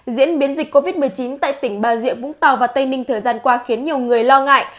diễn biến dịch covid một mươi chín tại tỉnh bà rịa vũng tàu và tây ninh thời gian qua khiến nhiều người lo ngại